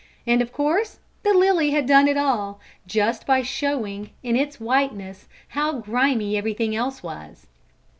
And of course the lily had done it all, just by showing, in its whiteness, how grimy everything else was."